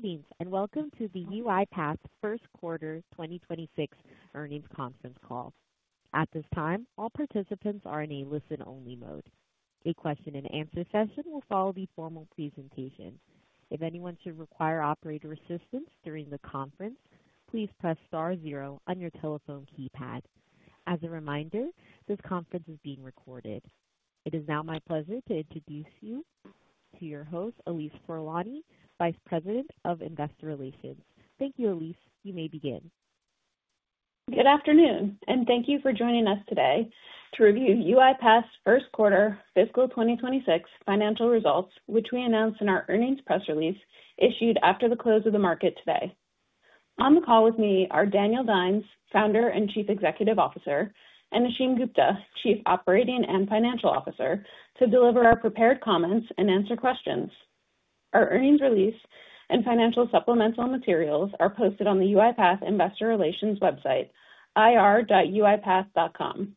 Greetings and welcome to the UiPath first quarter 2026 earnings conference call. At this time, all participants are in a listen-only mode. A question-and-answer session will follow the formal presentation. If anyone should require operator assistance during the conference, please press star zero on your telephone keypad. As a reminder, this conference is being recorded. It is now my pleasure to introduce you to your host, Allise Furlani, Vice President of Investor Relations. Thank you, Allise. You may begin. Good afternoon, and thank you for joining us today to review UiPath's first quarter fiscal 2026 financial results, which we announced in our earnings press release issued after the close of the market today. On the call with me are Daniel Dines, Founder and Chief Executive Officer, and Ashim Gupta, Chief Operating and Financial Officer, to deliver our prepared comments and answer questions. Our earnings release and financial supplemental materials are posted on the UiPath Investor Relations website, ir.uipath.com.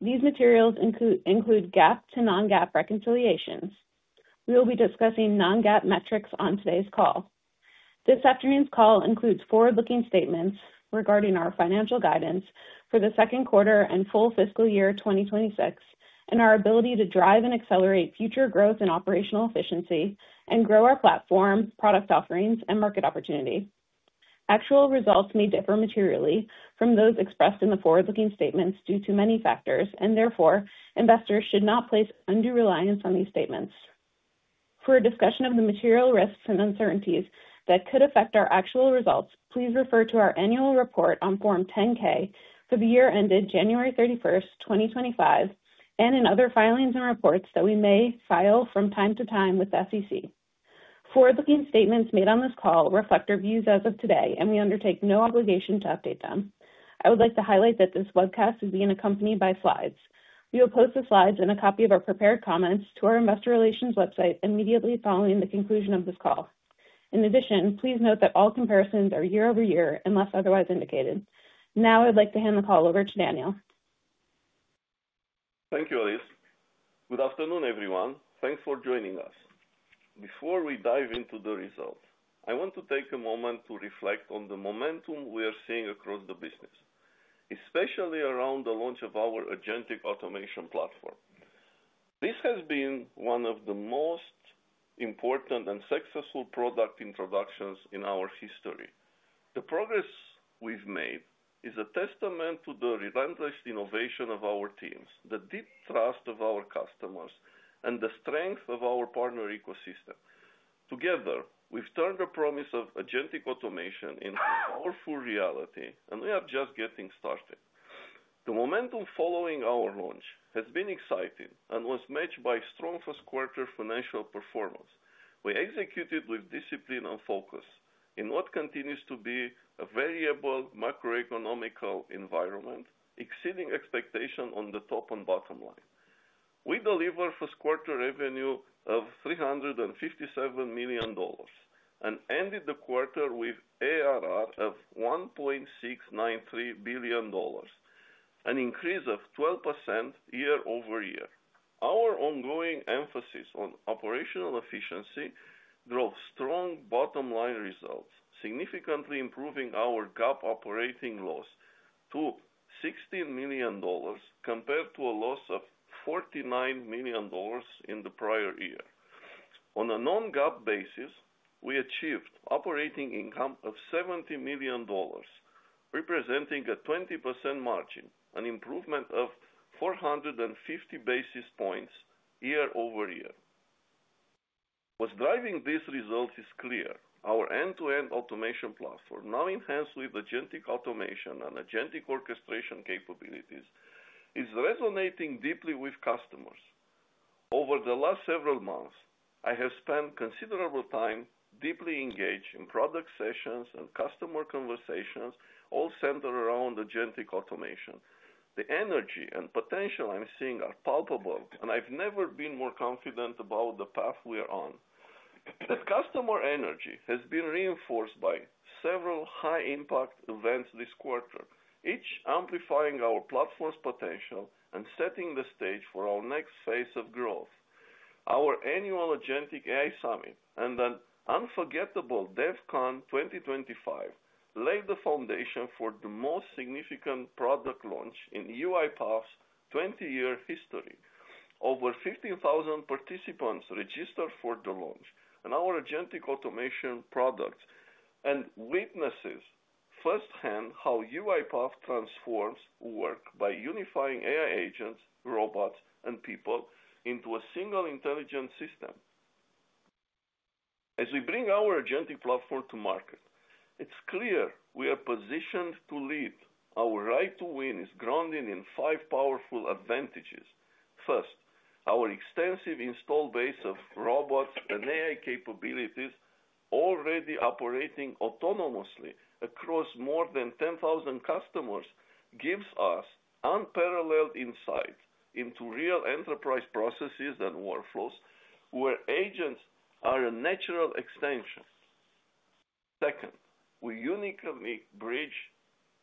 These materials include GAAP to non-GAAP reconciliations. We will be discussing non-GAAP metrics on today's call. This afternoon's call includes forward-looking statements regarding our financial guidance for the second quarter and full fiscal year 2026, and our ability to drive and accelerate future growth and operational efficiency, and grow our platform, product offerings, and market opportunity. Actual results may differ materially from those expressed in the forward-looking statements due to many factors, and therefore investors should not place undue reliance on these statements. For a discussion of the material risks and uncertainties that could affect our actual results, please refer to our annual report on Form 10-K for the year ended January 31, 2025, and in other filings and reports that we may file from time to time with the SEC. Forward-looking statements made on this call reflect our views as of today, and we undertake no obligation to update them. I would like to highlight that this webcast is being accompanied by slides. We will post the slides and a copy of our prepared comments to our Investor Relations website immediately following the conclusion of this call. In addition, please note that all comparisons are year-over-year unless otherwise indicated. Now I'd like to hand the call over to Daniel. Thank you, Allise. Good afternoon, everyone. Thanks for joining us. Before we dive into the results, I want to take a moment to reflect on the momentum we are seeing across the business, especially around the launch of our agentic automation platform. This has been one of the most important and successful product introductions in our history. The progress we've made is a testament to the relentless innovation of our teams, the deep trust of our customers, and the strength of our partner ecosystem. Together, we've turned the promise of agentic automation into a powerful reality, and we are just getting started. The momentum following our launch has been exciting and was matched by strong first quarter financial performance. We executed with discipline and focus in what continues to be a variable macroeconomic environment, exceeding expectations on the top and bottom line. We delivered first quarter revenue of $357 million and ended the quarter with ARR of $1.693 billion, an increase of 12% year-over-year. Our ongoing emphasis on operational efficiency drove strong bottom-line results, significantly improving our GAAP operating loss to $16 million compared to a loss of $49 million in the prior year. On a non-GAAP basis, we achieved operating income of $70 million, representing a 20% margin, an improvement of 450 basis points year-over-year. What's driving this result is clear. Our end-to-end automation platform, now enhanced with agentic automation and agentic orchestration capabilities, is resonating deeply with customers. Over the last several months, I have spent considerable time deeply engaged in product sessions and customer conversations, all centered around agentic automation. The energy and potential I'm seeing are palpable, and I've never been more confident about the path we're on. The customer energy has been reinforced by several high-impact events this quarter, each amplifying our platform's potential and setting the stage for our next phase of growth. Our annual Agentic AI Summit and an unforgettable DevCon 2025 laid the foundation for the most significant product launch in UiPath's 20-year history. Over 15,000 participants registered for the launch, and our agentic automation products witness firsthand how UiPath transforms work by unifying AI agents, robots, and people into a single intelligent system. As we bring our agentic platform to market, it's clear we are positioned to lead. Our right to win is grounded in five powerful advantages. First, our extensive install base of robots and AI capabilities already operating autonomously across more than 10,000 customers gives us unparalleled insight into real enterprise processes and workflows where agents are a natural extension. Second, we uniquely bridge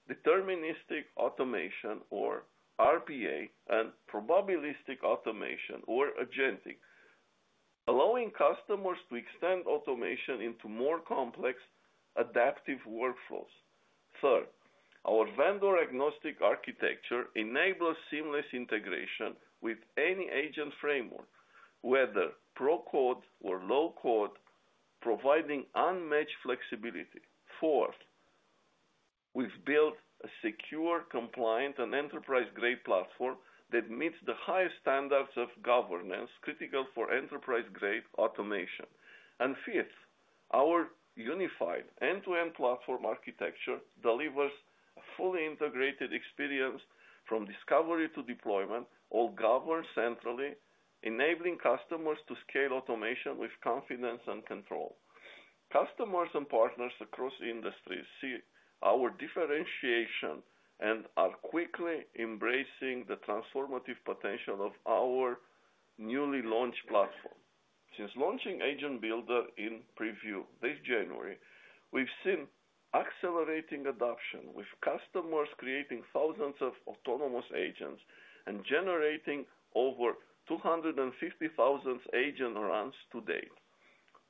deterministic automation, or RPA, and probabilistic automation, or agentic, allowing customers to extend automation into more complex, adaptive workflows. Third, our vendor-agnostic architecture enables seamless integration with any agent framework, whether pro code or low code, providing unmatched flexibility. Fourth, we have built a secure, compliant, and enterprise-grade platform that meets the highest standards of governance critical for enterprise-grade automation. Fifth, our unified end-to-end platform architecture delivers a fully integrated experience from discovery to deployment, all governed centrally, enabling customers to scale automation with confidence and control. Customers and partners across industries see our differentiation and are quickly embracing the transformative potential of our newly launched platform. Since launching Agent Builder in preview this January, we have seen accelerating adoption, with customers creating thousands of autonomous agents and generating over 250,000 agent runs to date.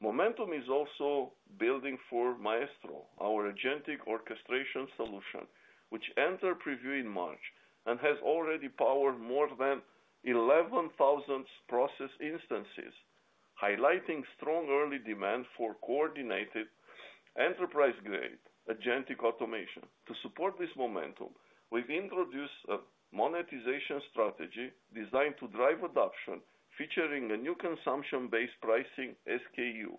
Momentum is also building for Maestro, our agentic orchestration solution, which entered preview in March and has already powered more than 11,000 process instances, highlighting strong early demand for coordinated enterprise-grade agentic automation. To support this momentum, we've introduced a monetization strategy designed to drive adoption, featuring a new consumption-based pricing SKU.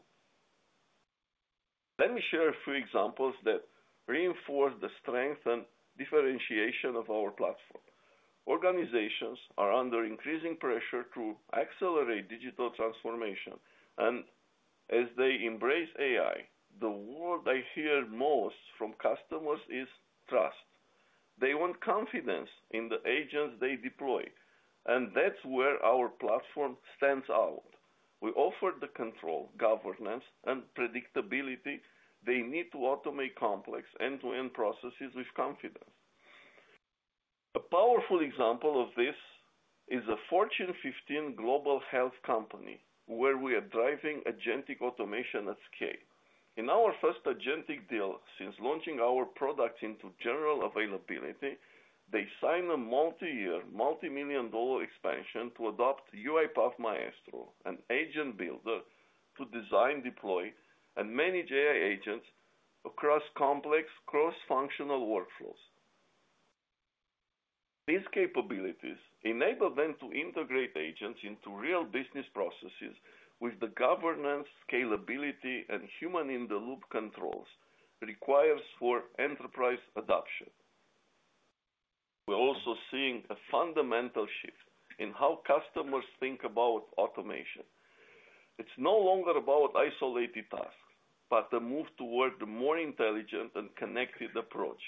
Let me share a few examples that reinforce the strength and differentiation of our platform. Organizations are under increasing pressure to accelerate digital transformation, and as they embrace AI, the word I hear most from customers is trust. They want confidence in the agents they deploy, and that's where our platform stands out. We offer the control, governance, and predictability they need to automate complex end-to-end processes with confidence. A powerful example of this is a Fortune 15 global health company where we are driving agentic automation at scale. In our first agentic deal since launching our product into general availability, they signed a multi-year, multi-million dollar expansion to adopt UiPath Maestro, an Agent Builder to design, deploy, and manage AI agents across complex cross-functional workflows. These capabilities enable them to integrate agents into real business processes with the governance, scalability, and human-in-the-loop controls required for enterprise adoption. We're also seeing a fundamental shift in how customers think about automation. It's no longer about isolated tasks, but a move toward a more intelligent and connected approach.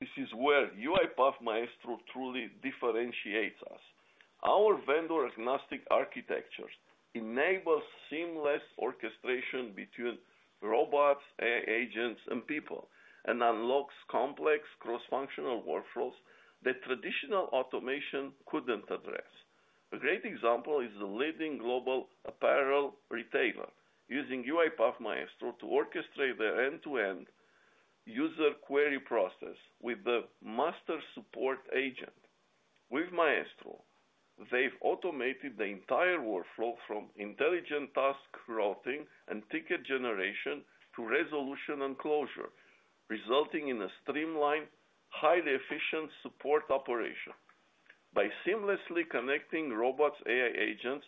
This is where UiPath Maestro truly differentiates us. Our vendor-agnostic architecture enables seamless orchestration between robots, AI agents, and people, and unlocks complex cross-functional workflows that traditional automation couldn't address. A great example is the leading global apparel retailer using UiPath Maestro to orchestrate their end-to-end user query process with the master support agent. With Maestro, they've automated the entire workflow from intelligent task routing and ticket generation to resolution and closure, resulting in a streamlined, highly efficient support operation. By seamlessly connecting robots, AI agents,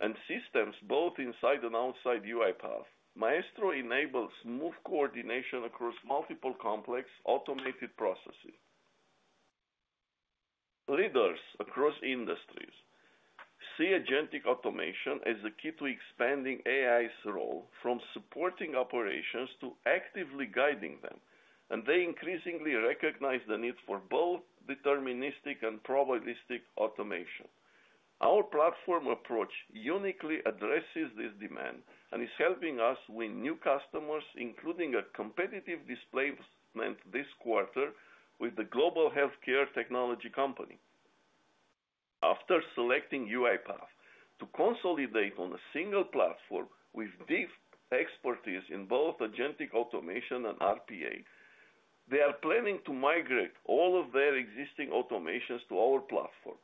and systems both inside and outside UiPath, Maestro enables smooth coordination across multiple complex automated processes. Leaders across industries see agentic automation as a key to expanding AI's role from supporting operations to actively guiding them, and they increasingly recognize the need for both deterministic and probabilistic automation. Our platform approach uniquely addresses this demand and is helping us win new customers, including a competitive displacement this quarter with the global healthcare technology company. After selecting UiPath to consolidate on a single platform with deep expertise in both agentic automation and RPA, they are planning to migrate all of their existing automations to our platform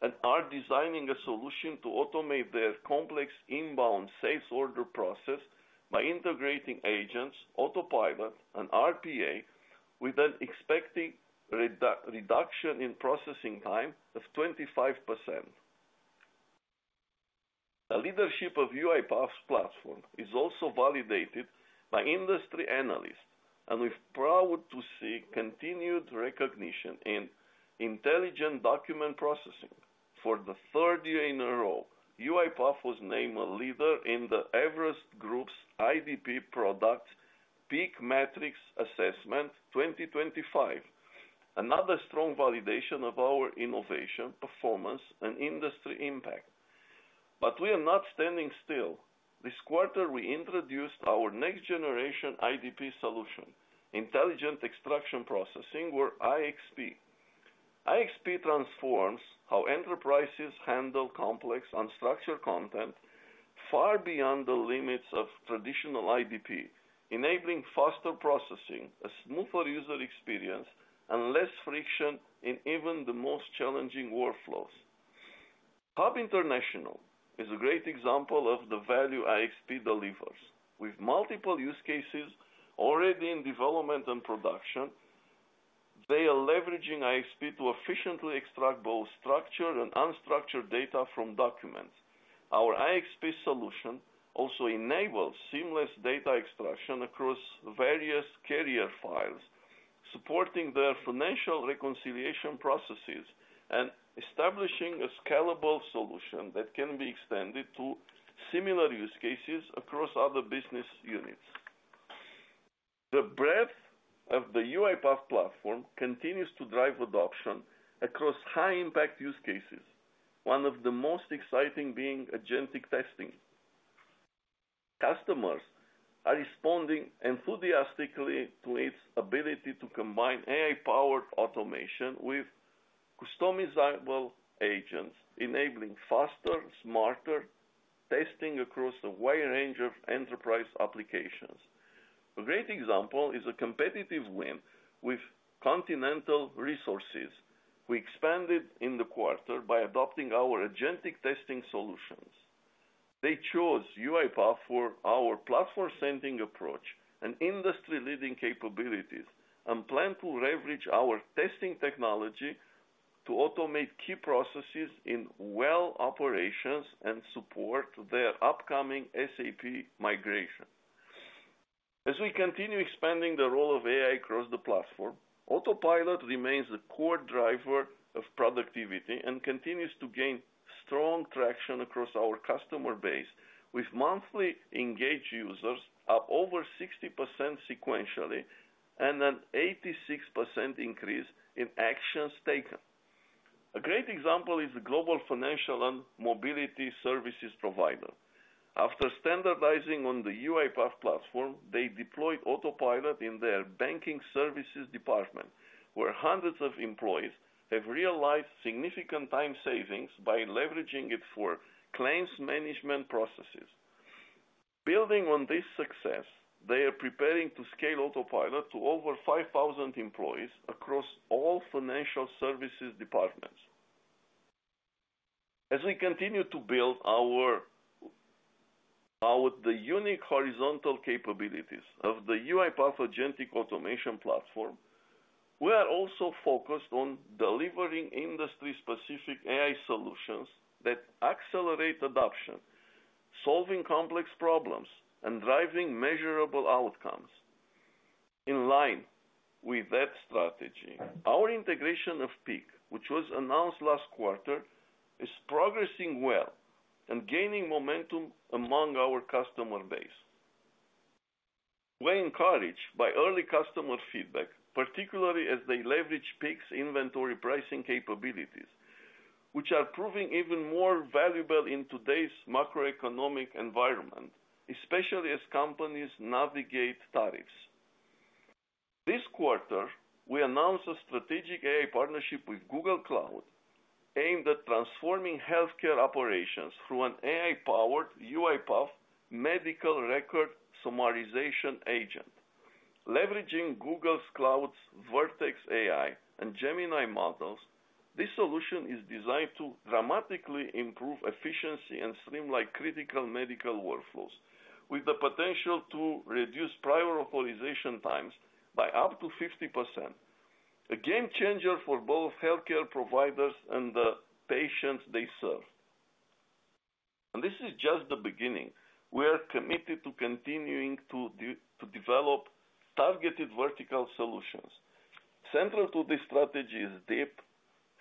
and are designing a solution to automate their complex inbound sales order process by integrating agents, Autopilot, and RPA with an expected reduction in processing time of 25%. The leadership of UiPath's platform is also validated by industry analysts, and we're proud to see continued recognition in intelligent document processing. For the third year in a row, UiPath was named a leader in the Everest Group's IDP product Peak Metrics Assessment 2025, another strong validation of our innovation, performance, and industry impact. We are not standing still. This quarter, we introduced our next-generation IDP solution, Intelligent Extraction Processing, or IXP. IXP transforms how enterprises handle complex unstructured content far beyond the limits of traditional IDP, enabling faster processing, a smoother user experience, and less friction in even the most challenging workflows. Hub International is a great example of the value IXP delivers. With multiple use cases already in development and production, they are leveraging IXP to efficiently extract both structured and unstructured data from documents. Our IXP solution also enables seamless data extraction across various carrier files, supporting their financial reconciliation processes and establishing a scalable solution that can be extended to similar use cases across other business units. The breadth of the UiPath platform continues to drive adoption across high-impact use cases, one of the most exciting being agentic testing. Customers are responding enthusiastically to its ability to combine AI-powered automation with customizable agents, enabling faster, smarter testing across a wide range of enterprise applications. A great example is a competitive win with Continental Resources, who expanded in the quarter by adopting our agentic testing solutions. They chose UiPath for our platform-setting approach and industry-leading capabilities and plan to leverage our testing technology to automate key processes in well operations and support their upcoming SAP migration. As we continue expanding the role of AI across the platform, Autopilot remains the core driver of productivity and continues to gain strong traction across our customer base with monthly engaged users of over 60% sequentially and an 86% increase in actions taken. A great example is the global financial and mobility services provider. After standardizing on the UiPath platform, they deployed Autopilot in their banking services department, where hundreds of employees have realized significant time savings by leveraging it for claims management processes. Building on this success, they are preparing to scale Autopilot to over 5,000 employees across all financial services departments. As we continue to build our unique horizontal capabilities of the UiPath Agentic Automation Platform, we are also focused on delivering industry-specific AI solutions that accelerate adoption, solving complex problems, and driving measurable outcomes. In line with that strategy, our integration of Peak, which was announced last quarter, is progressing well and gaining momentum among our customer base. We're encouraged by early customer feedback, particularly as they leverage Peak's inventory pricing capabilities, which are proving even more valuable in today's macroeconomic environment, especially as companies navigate tariffs. This quarter, we announced a strategic AI partnership with Google Cloud aimed at transforming healthcare operations through an AI-powered UiPath medical record summarization agent. Leveraging Google Cloud's Vertex AI and Gemini models, this solution is designed to dramatically improve efficiency and streamline critical medical workflows, with the potential to reduce prior authorization times by up to 50%. A game changer for both healthcare providers and the patients they serve. This is just the beginning. We are committed to continuing to develop targeted vertical solutions. Central to this strategy is deep,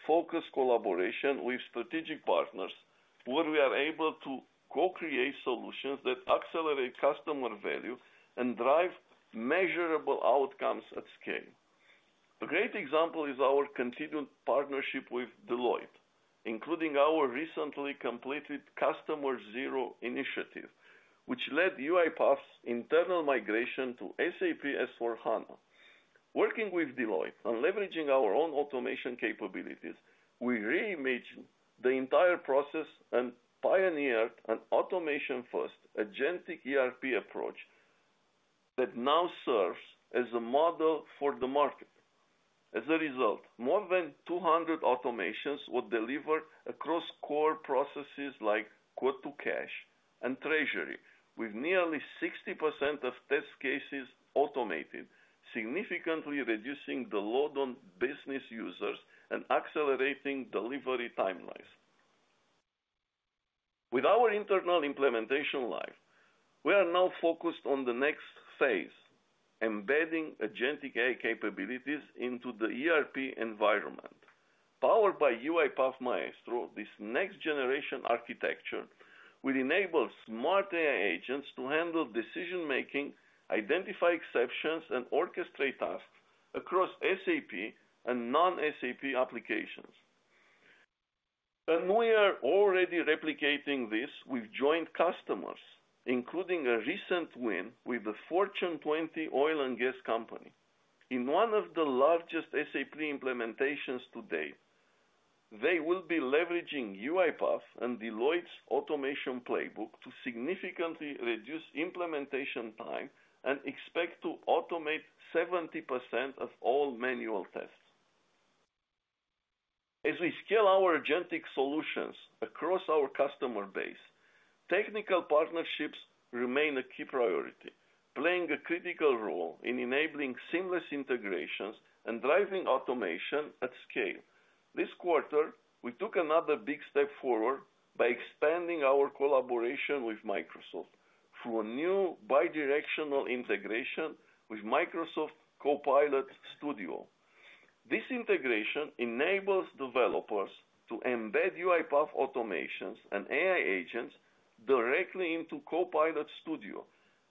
focused collaboration with strategic partners where we are able to co-create solutions that accelerate customer value and drive measurable outcomes at scale. A great example is our continued partnership with Deloitte, including our recently completed Customer Zero initiative, which led UiPath's internal migration to SAP S/4HANA. Working with Deloitte and leveraging our own automation capabilities, we reimagined the entire process and pioneered an automation-first agentic ERP approach that now serves as a model for the market. As a result, more than 200 automations were delivered across core processes like quote-to-cash and treasury, with nearly 60% of test cases automated, significantly reducing the load on business users and accelerating delivery timelines. With our internal implementation live, we are now focused on the next phase: embedding agentic AI capabilities into the ERP environment. Powered by UiPath Maestro, this next-generation architecture will enable smart AI agents to handle decision-making, identify exceptions, and orchestrate tasks across SAP and non-SAP applications. We are already replicating this with joint customers, including a recent win with the Fortune 20 oil and gas company. In one of the largest SAP implementations today, they will be leveraging UiPath and Deloitte's automation playbook to significantly reduce implementation time and expect to automate 70% of all manual tests. As we scale our agentic solutions across our customer base, technical partnerships remain a key priority, playing a critical role in enabling seamless integrations and driving automation at scale. This quarter, we took another big step forward by expanding our collaboration with Microsoft through a new bidirectional integration with Microsoft Copilot Studio. This integration enables developers to embed UiPath automations and AI agents directly into Copilot Studio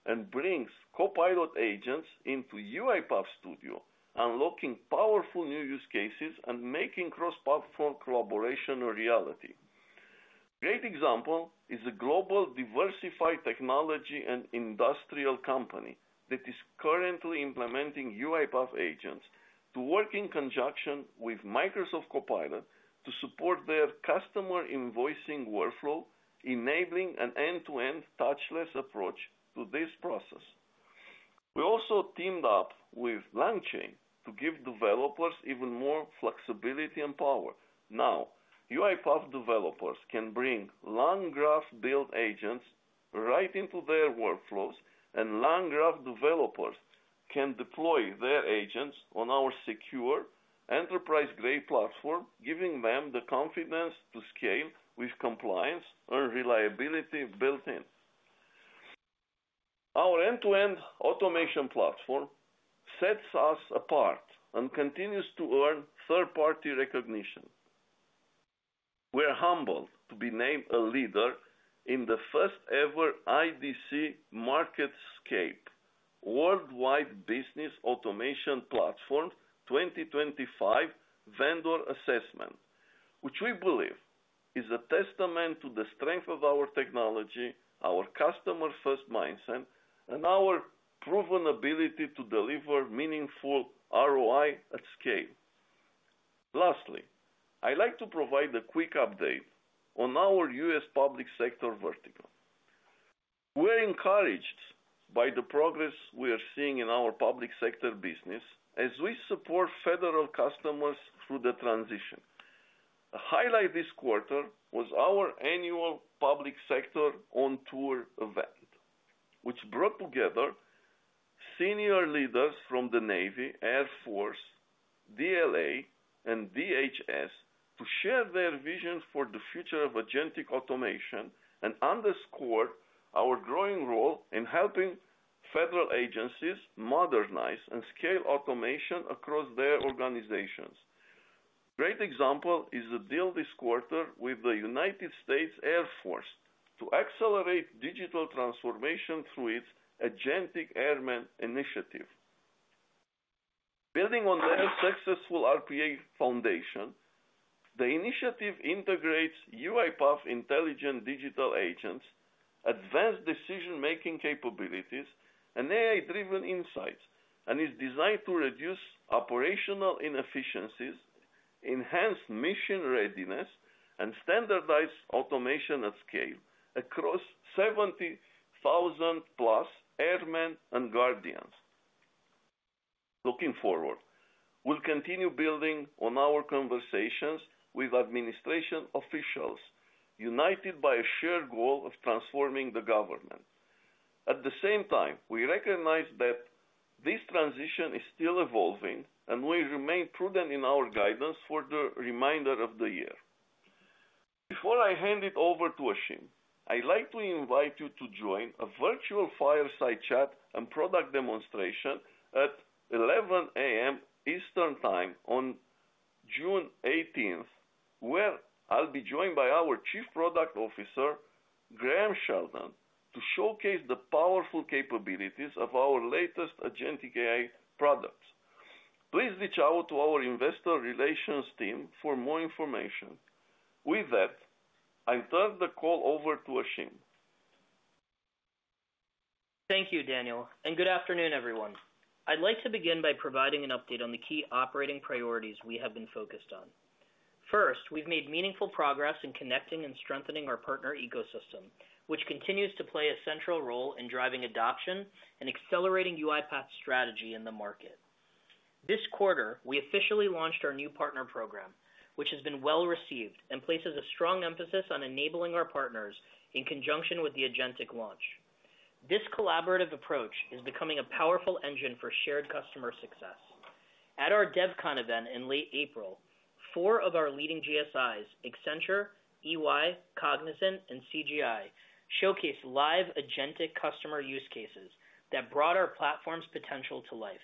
and brings Copilot agents into UiPath Studio, unlocking powerful new use cases and making cross-platform collaboration a reality. A great example is a global diversified technology and industrial company that is currently implementing UiPath agents to work in conjunction with Microsoft Copilot to support their customer invoicing workflow, enabling an end-to-end touchless approach to this process. We also teamed up with LangChain to give developers even more flexibility and power. Now, UiPath developers can bring LangGraph build agents right into their workflows, and LangGraph developers can deploy their agents on our secure enterprise-grade platform, giving them the confidence to scale with compliance and reliability built-in. Our end-to-end automation platform sets us apart and continues to earn third-party recognition. We're humbled to be named a leader in the first-ever IDC MarketScape Worldwide Business Automation Platform 2025 vendor assessment, which we believe is a testament to the strength of our technology, our customer-first mindset, and our proven ability to deliver meaningful ROI at scale. Lastly, I'd like to provide a quick update on our U.S. public sector vertical. We're encouraged by the progress we are seeing in our public sector business as we support federal customers through the transition. A highlight this quarter was our annual public sector on-tour event, which brought together senior leaders from the Navy, Air Force, DLA, and DHS to share their vision for the future of agentic automation and underscored our growing role in helping federal agencies modernize and scale automation across their organizations. A great example is the deal this quarter with the United States Air Force to accelerate digital transformation through its Agentic Airmen Initiative. Building on their successful RPA foundation, the initiative integrates UiPath intelligent digital agents, advanced decision-making capabilities, and AI-driven insights, and is designed to reduce operational inefficiencies, enhance mission readiness, and standardize automation at scale across 70,000-plus airmen and guardians. Looking forward, we'll continue building on our conversations with administration officials, united by a shared goal of transforming the government. At the same time, we recognize that this transition is still evolving, and we remain prudent in our guidance for the remainder of the year. Before I hand it over to Ashim, I'd like to invite you to join a virtual fireside chat and product demonstration at 11:00 A.M. Eastern Time on June 18th, where I'll be joined by our Chief Product Officer, Graham Sheldon, to showcase the powerful capabilities of our latest agentic AI products. Please reach out to our investor relations team for more information. With that, I'll turn the call over to Ashim. Thank you, Daniel. Good afternoon, everyone. I'd like to begin by providing an update on the key operating priorities we have been focused on. First, we've made meaningful progress in connecting and strengthening our partner ecosystem, which continues to play a central role in driving adoption and accelerating UiPath's strategy in the market. This quarter, we officially launched our new partner program, which has been well received and places a strong emphasis on enabling our partners in conjunction with the agentic launch. This collaborative approach is becoming a powerful engine for shared customer success. At our DevCon event in late April, four of our leading GSIs, Accenture, EY, Cognizant, and CGI, showcased live agentic customer use cases that brought our platform's potential to life.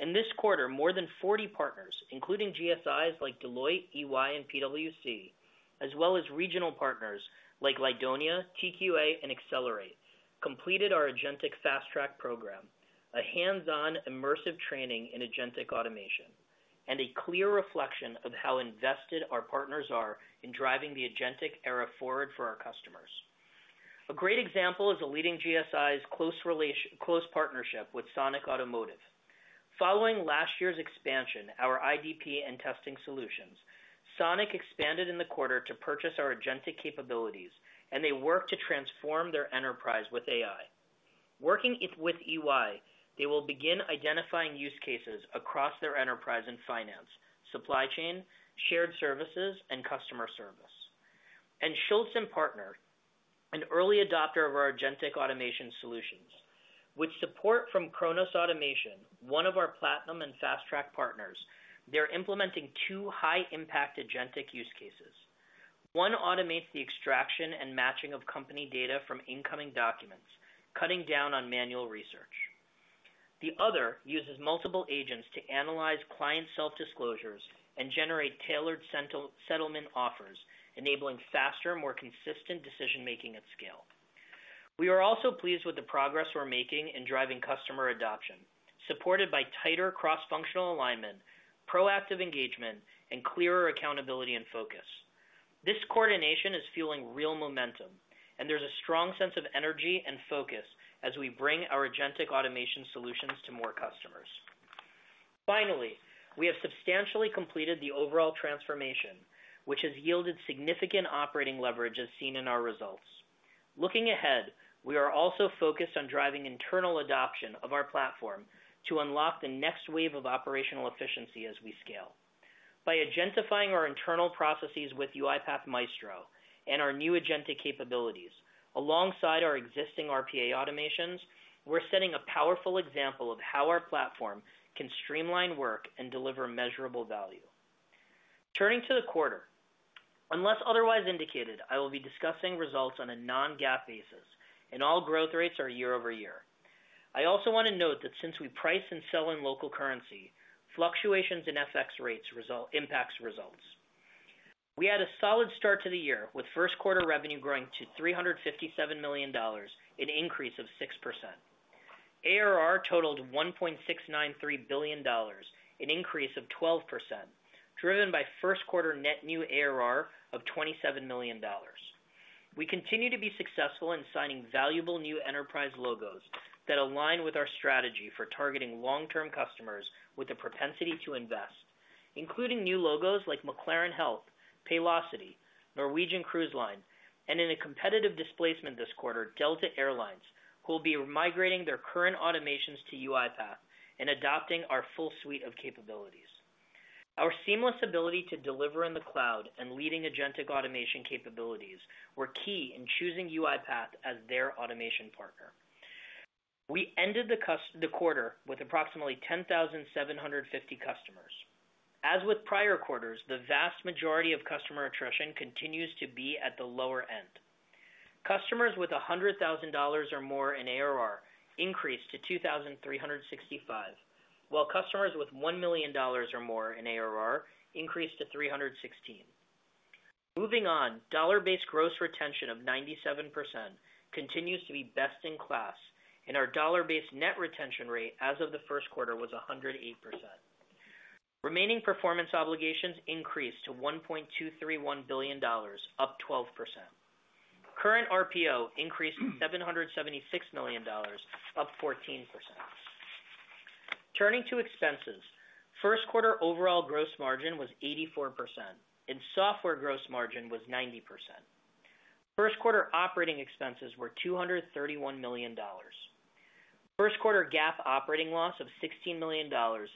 In this quarter, more than 40 partners, including GSIs like Deloitte, EY, and PwC, as well as regional partners like Lydonia, TQA, and Accelerate, completed our agentic fast-track program, a hands-on immersive training in agentic automation, and a clear reflection of how invested our partners are in driving the agentic era forward for our customers. A great example is a leading GSI's close partnership with Sonic Automotive. Following last year's expansion of our IDP and testing solutions, Sonic expanded in the quarter to purchase our agentic capabilities, and they work to transform their enterprise with AI. Working with EY, they will begin identifying use cases across their enterprise in finance, supply chain, shared services, and customer service. Schultz and Partner, an early adopter of our agentic automation solutions, with support from Kronos Automation, one of our platinum and fast-track partners, are implementing two high-impact agentic use cases. One automates the extraction and matching of company data from incoming documents, cutting down on manual research. The other uses multiple agents to analyze client self-disclosures and generate tailored settlement offers, enabling faster, more consistent decision-making at scale. We are also pleased with the progress we're making in driving customer adoption, supported by tighter cross-functional alignment, proactive engagement, and clearer accountability and focus. This coordination is fueling real momentum, and there's a strong sense of energy and focus as we bring our agentic automation solutions to more customers. Finally, we have substantially completed the overall transformation, which has yielded significant operating leverage as seen in our results. Looking ahead, we are also focused on driving internal adoption of our platform to unlock the next wave of operational efficiency as we scale. By agentifying our internal processes with UiPath Maestro and our new agentic capabilities, alongside our existing RPA automations, we're setting a powerful example of how our platform can streamline work and deliver measurable value. Turning to the quarter, unless otherwise indicated, I will be discussing results on a non-GAAP basis, and all growth rates are year-over-year. I also want to note that since we price and sell in local currency, fluctuations in FX rates impact results. We had a solid start to the year with first-quarter revenue growing to $357 million, an increase of 6%. ARR totaled $1.693 billion, an increase of 12%, driven by first-quarter net new ARR of $27 million. We continue to be successful in signing valuable new enterprise logos that align with our strategy for targeting long-term customers with a propensity to invest, including new logos like McLaren Health, Paylocity, Norwegian Cruise Line, and in a competitive displacement this quarter, Delta Airlines, who will be migrating their current automations to UiPath and adopting our full suite of capabilities. Our seamless ability to deliver in the cloud and leading agentic automation capabilities were key in choosing UiPath as their automation partner. We ended the quarter with approximately 10,750 customers. As with prior quarters, the vast majority of customer attrition continues to be at the lower end. Customers with $100,000 or more in ARR increased to 2,365, while customers with $1 million or more in ARR increased to 316. Moving on, dollar-based gross retention of 97% continues to be best in class, and our dollar-based net retention rate as of the first quarter was 108%. Remaining performance obligations increased to $1.231 billion, up 12%. Current RPO increased to $776 million, up 14%. Turning to expenses, first-quarter overall gross margin was 84%, and software gross margin was 90%. First-quarter operating expenses were $231 million. First-quarter GAAP operating loss of $16 million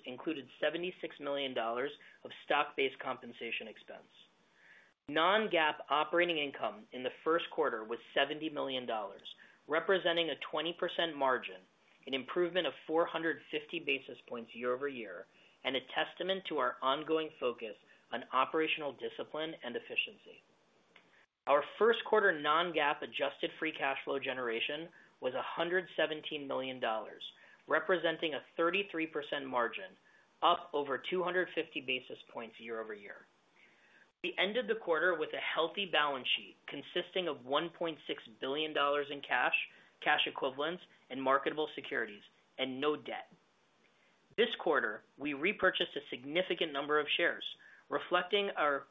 included $76 million of stock-based compensation expense. Non-GAAP operating income in the first quarter was $70 million, representing a 20% margin, an improvement of 450 basis points year-over-year, and a testament to our ongoing focus on operational discipline and efficiency. Our first-quarter non-GAAP adjusted free cash flow generation was $117 million, representing a 33% margin, up over 250 basis points year-over-year. We ended the quarter with a healthy balance sheet consisting of $1.6 billion in cash, cash equivalents, and marketable securities, and no debt. This quarter, we repurchased a significant number of shares, reflecting our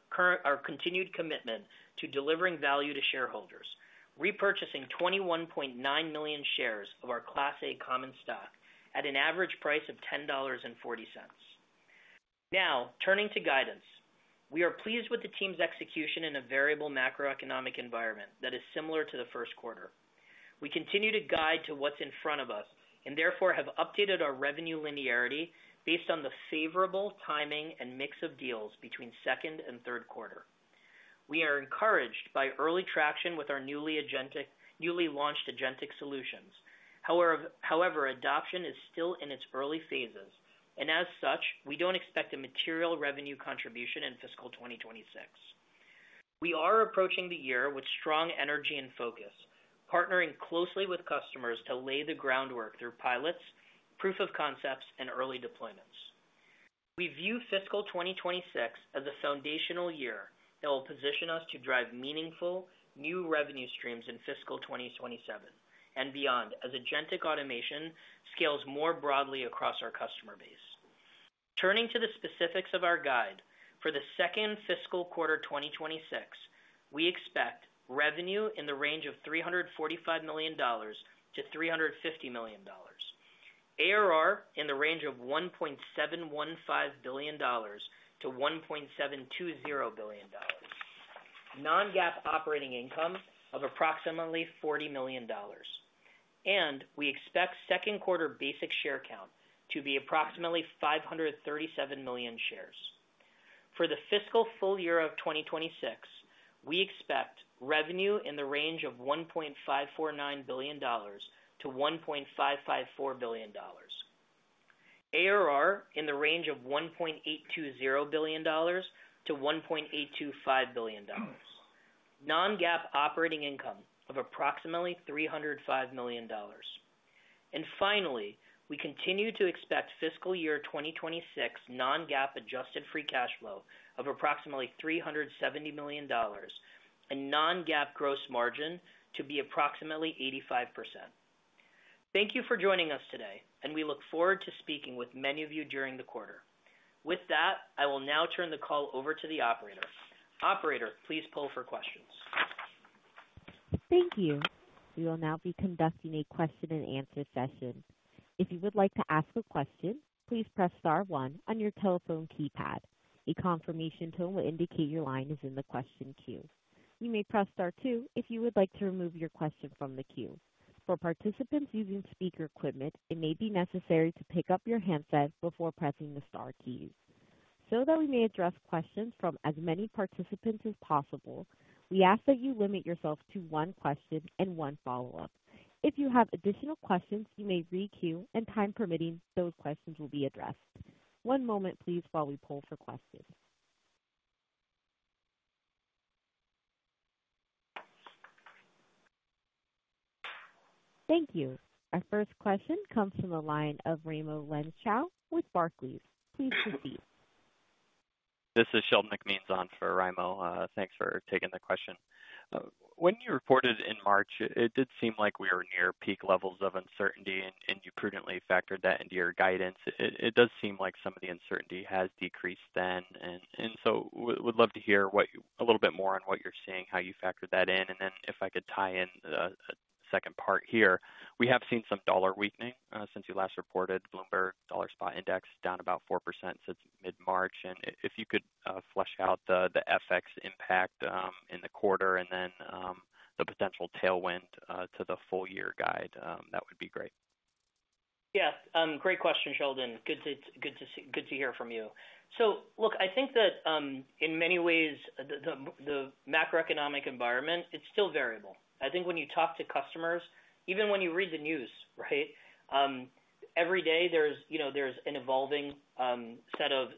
continued commitment to delivering value to shareholders, repurchasing 21.9 million shares of our Class A common stock at an average price of $10.40. Now, turning to guidance, we are pleased with the team's execution in a variable macroeconomic environment that is similar to the first quarter. We continue to guide to what's in front of us and therefore have updated our revenue linearity based on the favorable timing and mix of deals between second and third quarter. We are encouraged by early traction with our newly launched agentic solutions. However, adoption is still in its early phases, and as such, we don't expect a material revenue contribution in fiscal 2026. We are approaching the year with strong energy and focus, partnering closely with customers to lay the groundwork through pilots, proof of concepts, and early deployments. We view fiscal 2026 as a foundational year that will position us to drive meaningful new revenue streams in fiscal 2027 and beyond as agentic automation scales more broadly across our customer base. Turning to the specifics of our guide, for the second fiscal quarter 2026, we expect revenue in the range of $345 million-$350 million, ARR in the range of $1.715 billion-$1.720 billion, non-GAAP operating income of approximately $40 million, and we expect second quarter basic share count to be approximately 537 million shares. For the fiscal full year of 2026, we expect revenue in the range of $1.549 billion-$1.554 billion, ARR in the range of $1.820 billion-$1.825 billion, non-GAAP operating income of approximately $305 million. Finally, we continue to expect fiscal year 2026 non-GAAP adjusted free cash flow of approximately $370 million and non-GAAP gross margin to be approximately 85%. Thank you for joining us today, and we look forward to speaking with many of you during the quarter. With that, I will now turn the call over to the operator. Operator, please poll for questions. Thank you. We will now be conducting a question-and-answer session. If you would like to ask a question, please press star one on your telephone keypad. A confirmation tone will indicate your line is in the question queue. You may press star two if you would like to remove your question from the queue. For participants using speaker equipment, it may be necessary to pick up your handset before pressing the star keys. So that we may address questions from as many participants as possible, we ask that you limit yourself to one question and one follow-up. If you have additional questions, you may re-queue, and time permitting, those questions will be addressed. One moment, please, while we poll for questions. Thank you. Our first question comes from the line of Raimo Lenschow with Barclays. Please proceed. This is Sheldon McMeans on for Raimo. Thanks for taking the question. When you reported in March, it did seem like we were near peak levels of uncertainty, and you prudently factored that into your guidance. It does seem like some of the uncertainty has decreased then. We'd love to hear a little bit more on what you're seeing, how you factored that in, and then if I could tie in a second part here. We have seen some dollar weakening since you last reported. Bloomberg Dollar Spot Index down about 4% since mid-March. If you could flesh out the FX impact in the quarter and then the potential tailwind to the full year guide, that would be great. Yes. Great question, Sheldon. Good to hear from you. I think that in many ways, the macroeconomic environment, it's still variable. I think when you talk to customers, even when you read the news, right, every day there's an evolving set of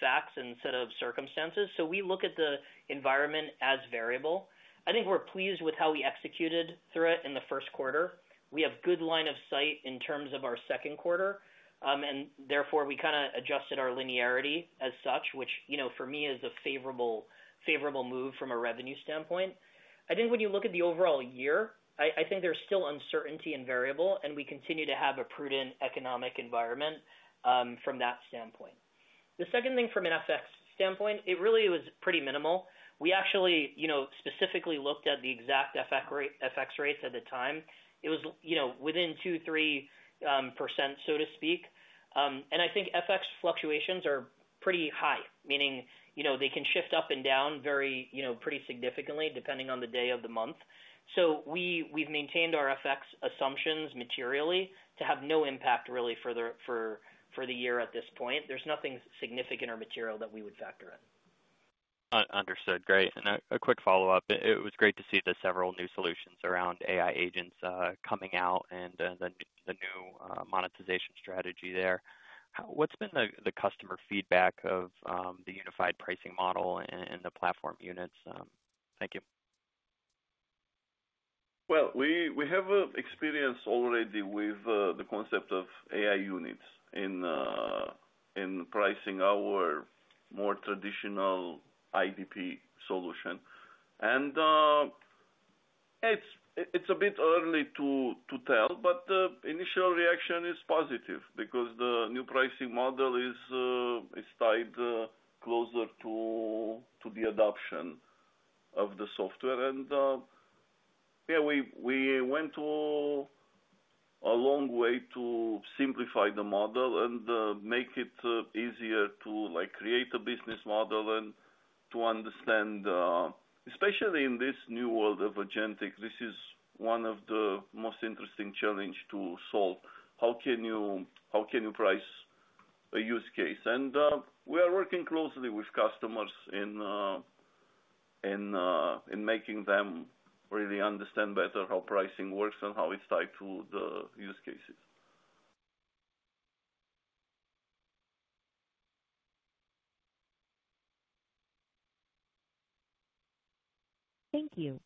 facts and set of circumstances. We look at the environment as variable. I think we're pleased with how we executed through it in the first quarter. We have good line of sight in terms of our second quarter, and therefore we kind of adjusted our linearity as such, which for me is a favorable move from a revenue standpoint. I think when you look at the overall year, I think there's still uncertainty and variable, and we continue to have a prudent economic environment from that standpoint. The second thing from an FX standpoint, it really was pretty minimal. We actually specifically looked at the exact FX rates at the time. It was within 2-3%, so to speak. I think FX fluctuations are pretty high, meaning they can shift up and down pretty significantly depending on the day of the month. We have maintained our FX assumptions materially to have no impact really for the year at this point. There's nothing significant or material that we would factor in. Understood. Great. A quick follow-up. It was great to see the several new solutions around AI agents coming out and the new monetization strategy there. What's been the customer feedback of the unified pricing model and the platform units? Thank you. We have experience already with the concept of AI units in pricing our more traditional IDP solution. It's a bit early to tell, but the initial reaction is positive because the new pricing model is tied closer to the adoption of the software. We went a long way to simplify the model and make it easier to create a business model and to understand, especially in this new world of agentic, this is one of the most interesting challenges to solve. How can you price a use case? We are working closely with customers in making them really understand better how pricing works and how it is tied to the use cases. Thank you.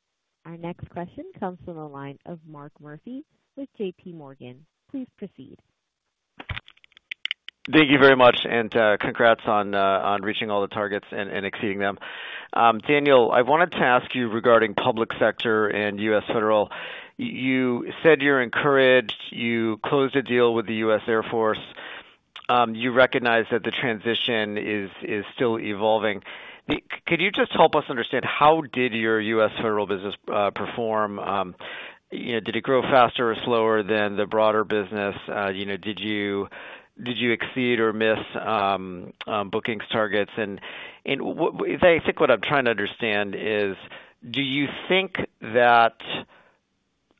Our next question comes from the line of Mark Murphy with JPMorgan. Please proceed. Thank you very much, and congrats on reaching all the targets and exceeding them. Daniel, I wanted to ask you regarding public sector and U.S. federal. You said you are encouraged. You closed a deal with the U.S. Air Force. You recognize that the transition is still evolving. Could you just help us understand how did your U.S. federal business perform? Did it grow faster or slower than the broader business? Did you exceed or miss bookings targets? I think what I'm trying to understand is, do you think that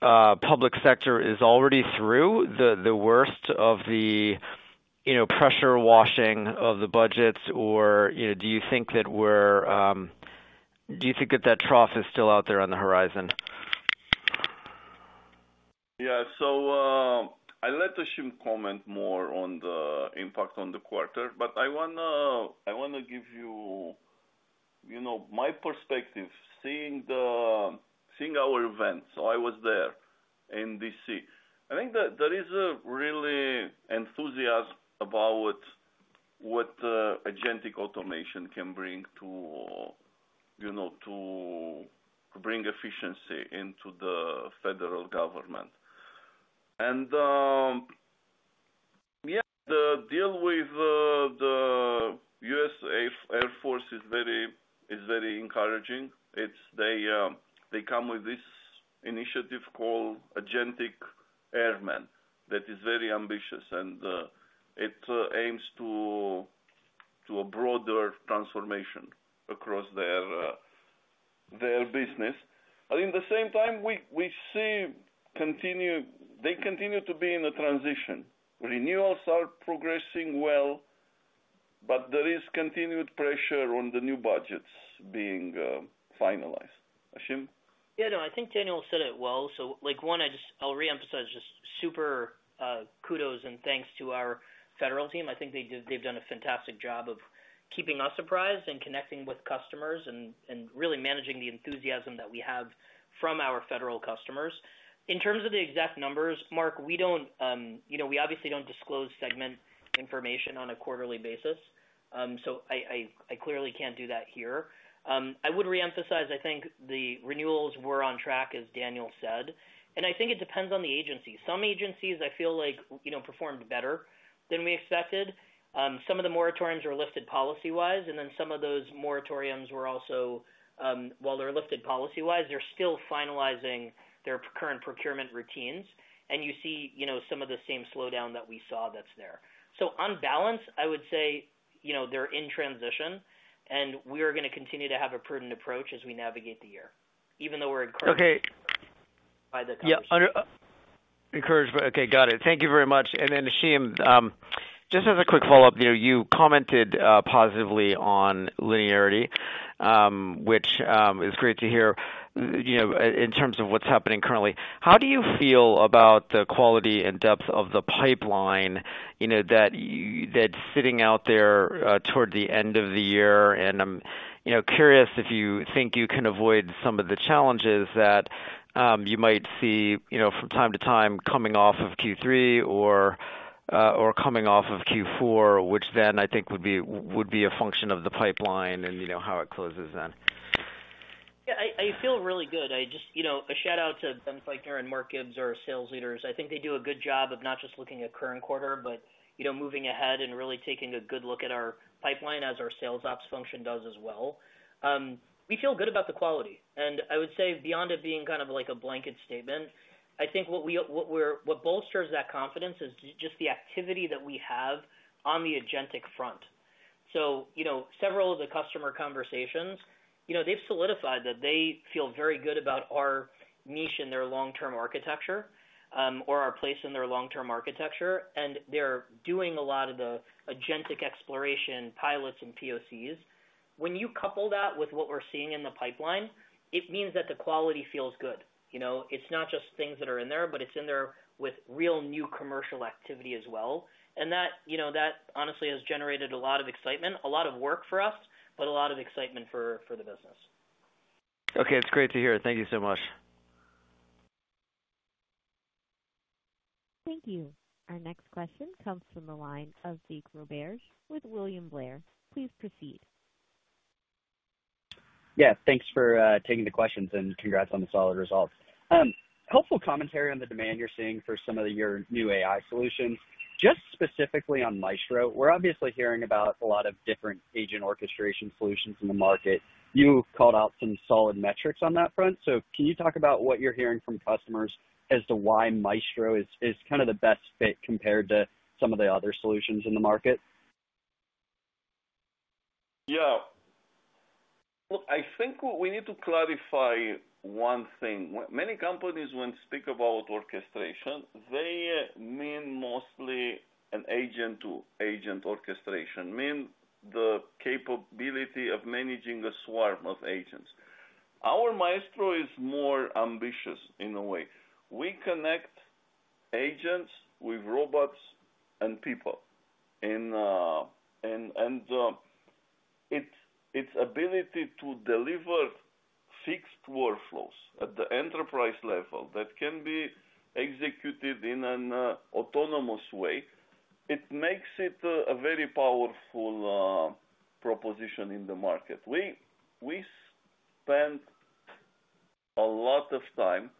public sector is already through the worst of the pressure washing of the budgets, or do you think that that trough is still out there on the horizon? Yeah. I will let Ashim comment more on the impact on the quarter, but I want to give you my perspective, seeing our event. I was there in D.C. I think there is a really enthusiastic feeling about what agentic automation can bring to bring efficiency into the federal government. Yeah, the deal with the U.S. Air Force is very encouraging. They come with this initiative called Agentic Airmen that is very ambitious, and it aims to a broader transformation across their business. At the same time, we see they continue to be in a transition. Renewals are progressing well, but there is continued pressure on the new budgets being finalized. Ashim? Yeah. No, I think Daniel said it well. One, I'll reemphasize just super kudos and thanks to our federal team. I think they've done a fantastic job of keeping us apprised and connecting with customers and really managing the enthusiasm that we have from our federal customers. In terms of the exact numbers, Mark, we obviously do not disclose segment information on a quarterly basis, so I clearly cannot do that here. I would reemphasize, I think the renewals were on track, as Daniel said. I think it depends on the agency. Some agencies, I feel like, performed better than we expected. Some of the moratoriums were lifted policy-wise, and then some of those moratoriums were also, while they're lifted policy-wise, they're still finalizing their current procurement routines, and you see some of the same slowdown that we saw that's there. On balance, I would say they're in transition, and we are going to continue to have a prudent approach as we navigate the year, even though we're encouraged by the comments. Yeah. Encouraged. Okay. Got it. Thank you very much. And then Ashim, just as a quick follow-up, you commented positively on linearity, which is great to hear in terms of what's happening currently. How do you feel about the quality and depth of the pipeline that's sitting out there toward the end of the year? I'm curious if you think you can avoid some of the challenges that you might see from time to time coming off of Q3 or coming off of Q4, which then I think would be a function of the pipeline and how it closes then. Yeah. I feel really good. Just a shout-out to Ben Fiechtner and Mark Gibbs, our sales leaders. I think they do a good job of not just looking at current quarter, but moving ahead and really taking a good look at our pipeline as our sales ops function does as well. We feel good about the quality. I would say beyond it being kind of like a blanket statement, I think what bolsters that confidence is just the activity that we have on the agentic front. Several of the customer conversations, they've solidified that they feel very good about our niche in their long-term architecture or our place in their long-term architecture, and they're doing a lot of the agentic exploration pilots and POCs. When you couple that with what we're seeing in the pipeline, it means that the quality feels good. It's not just things that are in there, but it's in there with real new commercial activity as well. That honestly has generated a lot of excitement, a lot of work for us, but a lot of excitement for the business. Okay. It's great to hear. Thank you so much. Thank you. Our next question comes from the line of Jake Roberge with William Blair. Please proceed. Yeah. Thanks for taking the questions and congrats on the solid results. Helpful commentary on the demand you're seeing for some of your new AI solutions. Just specifically on Maestro, we're obviously hearing about a lot of different agent orchestration solutions in the market. You called out some solid metrics on that front. Can you talk about what you're hearing from customers as to why Maestro is kind of the best fit compared to some of the other solutions in the market? Yeah. Look, I think we need to clarify one thing. Many companies, when they speak about orchestration, they mean mostly an agent-to-agent orchestration, meaning the capability of managing a swarm of agents. Our Maestro is more ambitious in a way. We connect agents with robots and people. Its ability to deliver fixed workflows at the enterprise level that can be executed in an autonomous way makes it a very powerful proposition in the market. We spend a lot of time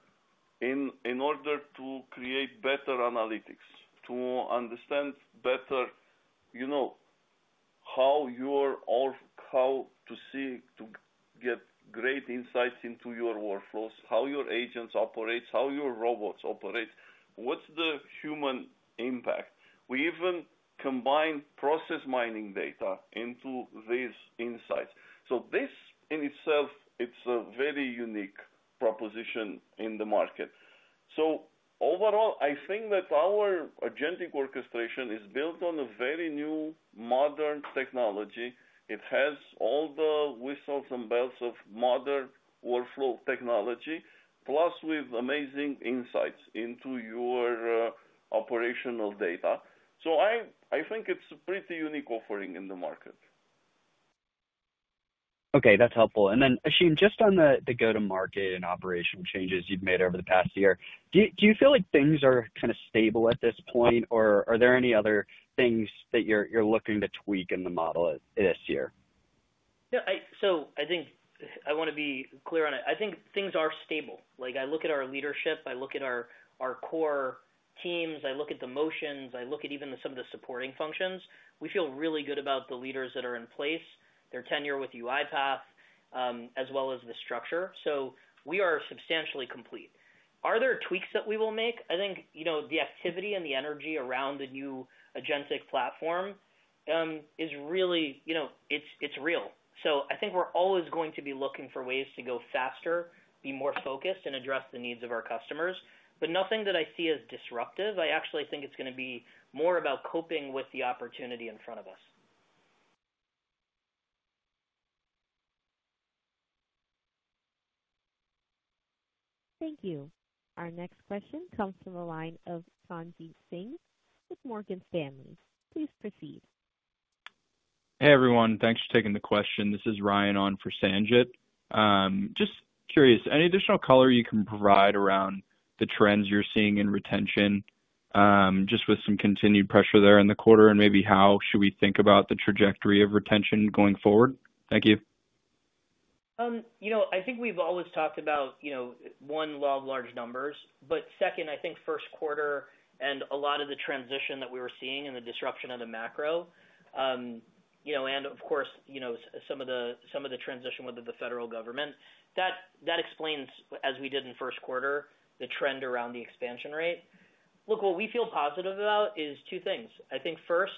in order to create better analytics, to understand better how to see to get great insights into your workflows, how your agents operate, how your robots operate, what's the human impact. We even combine process mining data into these insights. This in itself, it's a very unique proposition in the market. Overall, I think that our agentic orchestration is built on a very new modern technology. It has all the whistles and bells of modern workflow technology, plus with amazing insights into your operational data. I think it's a pretty unique offering in the market. Okay. That's helpful. Then, Ashim, just on the go-to-market and operation changes you've made over the past year, do you feel like things are kind of stable at this point, or are there any other things that you're looking to tweak in the model this year? Yeah. I think I want to be clear on it. I think things are stable. I look at our leadership. I look at our core teams. I look at the motions. I look at even some of the supporting functions. We feel really good about the leaders that are in place, their tenure with UiPath, as well as the structure. We are substantially complete. Are there tweaks that we will make? I think the activity and the energy around the new agentic platform is really—it's real. I think we're always going to be looking for ways to go faster, be more focused, and address the needs of our customers. Nothing that I see as disruptive. I actually think it's going to be more about coping with the opportunity in front of us. Thank you. Our next question comes from the line of Sanjit Singh with Morgan Stanley. Please proceed. Hey, everyone. Thanks for taking the question. This is Ryan on for Sanjit. Just curious, any additional color you can provide around the trends you're seeing in retention, just with some continued pressure there in the quarter, and maybe how should we think about the trajectory of retention going forward? Thank you. I think we've always talked about, one, love large numbers. Second, I think first quarter and a lot of the transition that we were seeing and the disruption of the macro, and of course, some of the transition with the federal government, that explains, as we did in first quarter, the trend around the expansion rate. Look, what we feel positive about is two things. I think first,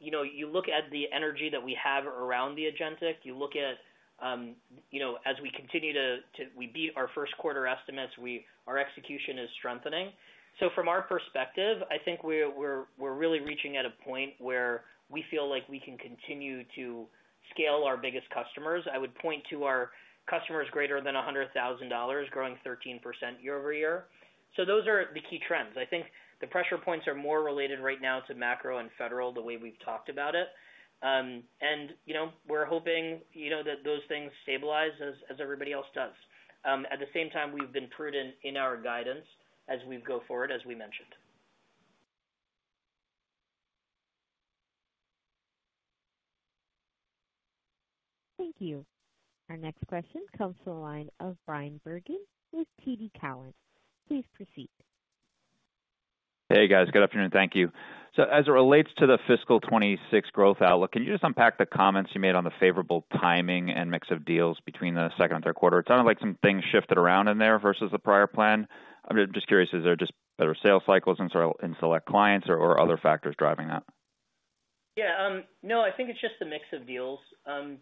you look at the energy that we have around the agentic. You look at, as we continue to—we beat our first quarter estimates. Our execution is strengthening. From our perspective, I think we're really reaching at a point where we feel like we can continue to scale our biggest customers. I would point to our customers greater than $100,000, growing 13% year over year. Those are the key trends. I think the pressure points are more related right now to macro and federal the way we've talked about it. We're hoping that those things stabilize as everybody else does. At the same time, we've been prudent in our guidance as we go forward, as we mentioned. Thank you. Our next question comes from the line of Brian Bergin with TD Cowen. Please proceed. Hey, guys. Good afternoon. Thank you. As it relates to the fiscal 2026 growth outlook, can you just unpack the comments you made on the favorable timing and mix of deals between the second and third quarter? It sounded like some things shifted around in there versus the prior plan. I'm just curious, is there just better sales cycles in select clients or other factors driving that? Yeah. No, I think it's just the mix of deals,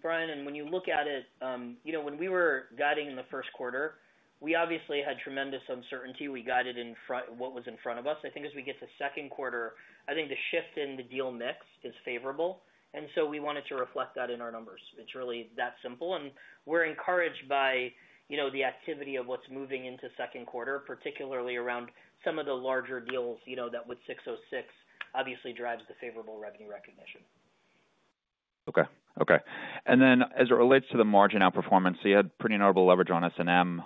Brian, and when you look at it, when we were guiding in the first quarter, we obviously had tremendous uncertainty. We guided in front of what was in front of us. I think as we get to second quarter, I think the shift in the deal mix is favorable. We wanted to reflect that in our numbers. It is really that simple. We are encouraged by the activity of what is moving into second quarter, particularly around some of the larger deals that with 606 obviously drives the favorable revenue recognition. Okay. Okay. As it relates to the margin outperformance, you had pretty notable leverage on S&M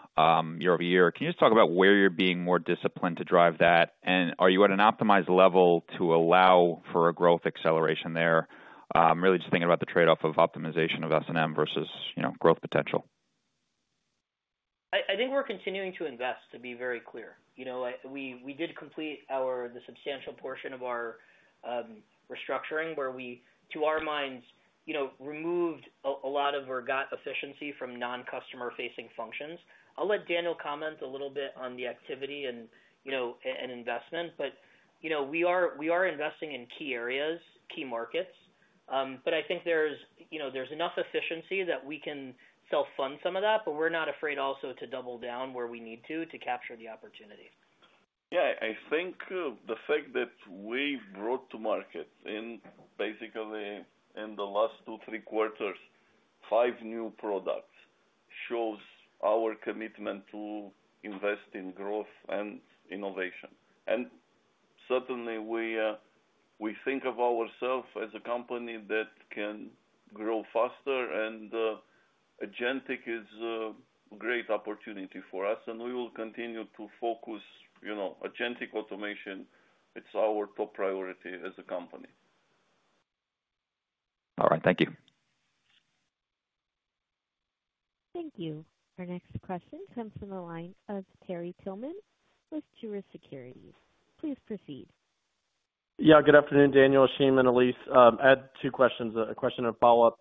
year over year. Can you just talk about where you are being more disciplined to drive that? Are you at an optimized level to allow for a growth acceleration there? Really just thinking about the trade-off of optimization of S&M versus growth potential. I think we are continuing to invest, to be very clear. We did complete the substantial portion of our restructuring where we, to our minds, removed a lot of or got efficiency from non-customer-facing functions. I'll let Daniel comment a little bit on the activity and investment, but we are investing in key areas, key markets. I think there's enough efficiency that we can self-fund some of that, but we're not afraid also to double down where we need to to capture the opportunity. Yeah. I think the fact that we brought to market in basically in the last two, three quarters, five new products shows our commitment to invest in growth and innovation. Certainly, we think of ourselves as a company that can grow faster, and agentic is a great opportunity for us. We will continue to focus agentic automation. It's our top priority as a company. All right. Thank you. Thank you. Our next question comes from the line of Terry Tillman with Truist Securities. Please proceed. Yeah. Good afternoon, Daniel, Ashim, and Allise. I had two questions, a question and a follow-up.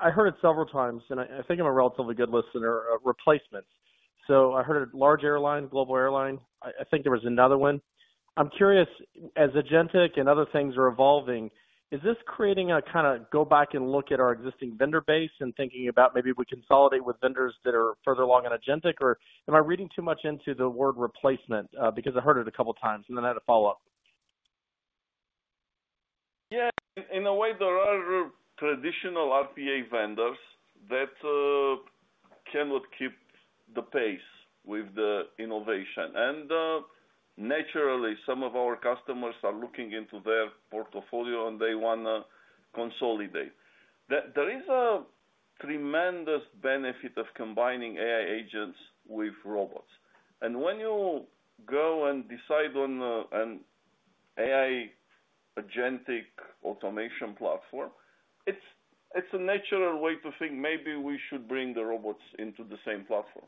I heard it several times, and I think I'm a relatively good listener, replacements. So I heard it, large airline, global airline. I think there was another one. I'm curious, as agentic and other things are evolving, is this creating a kind of go back and look at our existing vendor base and thinking about maybe we consolidate with vendors that are further along in agentic, or am I reading too much into the word replacement? Because I heard it a couple of times, and then I had a follow-up. Yeah. In a way, there are traditional RPA vendors that cannot keep the pace with the innovation. Naturally, some of our customers are looking into their portfolio, and they want to consolidate. There is a tremendous benefit of combining AI agents with robots. When you go and decide on an AI agentic automation platform, it's a natural way to think maybe we should bring the robots into the same platform.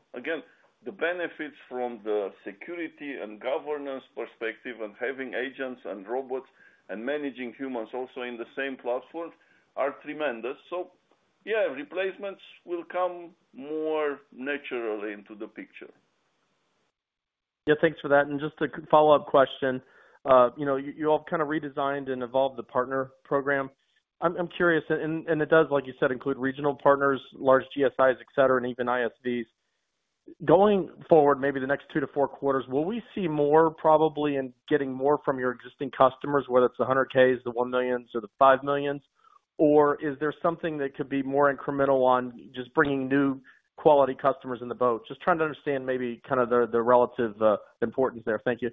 The benefits from the security and governance perspective and having agents and robots and managing humans also in the same platform are tremendous. Replacements will come more naturally into the picture. Thanks for that. Just a follow-up question. You all kind of redesigned and evolved the partner program. I'm curious, and it does, like you said, include regional partners, large GSIs, etc., and even ISVs. Going forward, maybe the next two to four quarters, will we see more probably in getting more from your existing customers, whether it's the $100,000s, the $1 millions, or the $5 millions? Or is there something that could be more incremental on just bringing new quality customers in the boat? Just trying to understand maybe kind of the relative importance there. Thank you.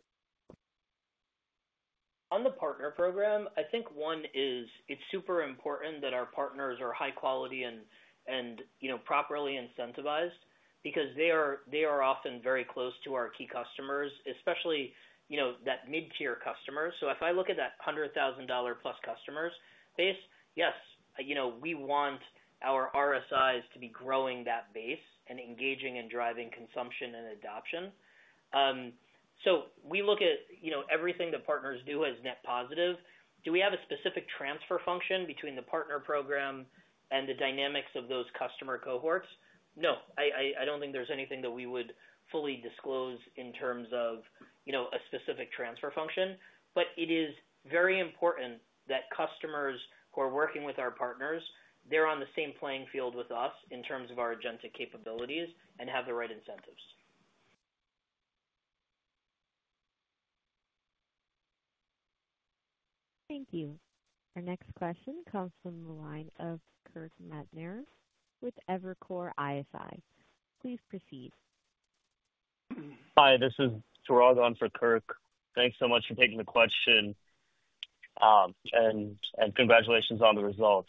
On the partner program, I think one is it's super important that our partners are high quality and properly incentivized because they are often very close to our key customers, especially that mid-tier customer. If I look at that $100,000-plus customers base, yes, we want our RSIs to be growing that base and engaging and driving consumption and adoption. We look at everything that partners do as net positive. Do we have a specific transfer function between the partner program and the dynamics of those customer cohorts? No, I don't think there's anything that we would fully disclose in terms of a specific transfer function. It is very important that customers who are working with our partners, they're on the same playing field with us in terms of our agentic capabilities and have the right incentives. Thank you. Our next question comes from the line of Kirk Materne with Evercore ISI. Please proceed. Hi. This is Turagon for Kirk. Thanks so much for taking the question, and congratulations on the results.